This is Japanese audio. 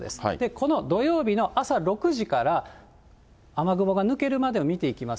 この土曜日の朝６時から、雨雲が抜けるまでを見ていきます。